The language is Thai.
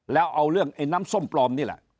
แล้วเอาเรื่องไอ้น้ำส้มปลอมนี่แหละ